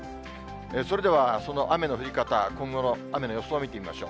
それではその雨の降り方、今後の雨の予想を見てみましょう。